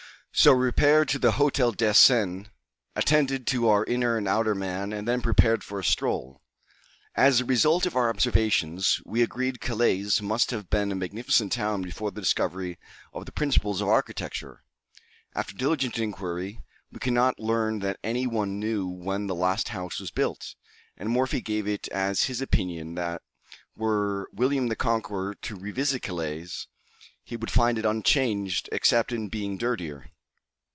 So we repaired to the Hotel Dessin, attended to our inner and outer man, and then prepared for a stroll. As the result of our observations, we agreed Calais must have been a magnificent town before the discovery of the principles of architecture. After diligent inquiry, we could not learn that any one knew when the last house was built, and Morphy gave it as his opinion that, were William the Conqueror to revisit Calais, he would find it unchanged, except in being dirtier.